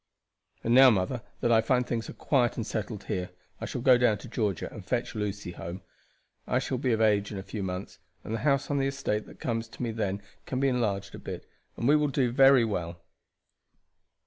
"And now, mother, that I find things are quiet and settled here, I shall go down to Georgia and fetch Lucy home. I shall be of age in a few months, and the house on the estate that comes to me then can be enlarged a bit, and will do very well."